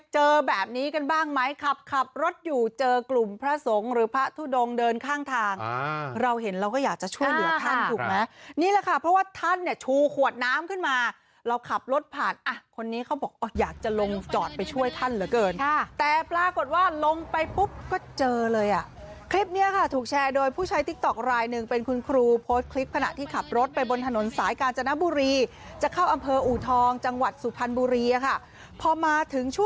เจอแบบนี้กันบ้างไหมครับขับรถอยู่เจอกลุ่มพระสงฆ์หรือพระทุดงเดินข้างทางเราเห็นเราก็อยากจะช่วยเหลือท่านถูกไหมนี่แหละค่ะเพราะว่าท่านเนี่ยชูขวดน้ำขึ้นมาเราขับรถผ่านอ่ะคนนี้เขาบอกอยากจะลงจอดไปช่วยท่านเหลือเกินแต่ปรากฎว่าลงไปปุ๊บก็เจอเลยอ่ะคลิปเนี้ยค่ะถูกแชร์โดยผู้ใช้ติ๊กต๊อกลายหนึ